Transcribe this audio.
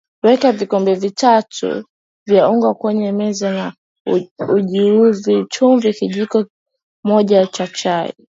Weka vikombe vitatu vya unga kwenye meza na unyunyuzie chumvi kijiko moja cha chai